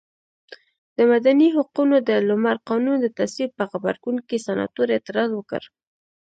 د مدني حقونو د لومړ قانون د تصویب په غبرګون کې سناتور اعتراض وکړ.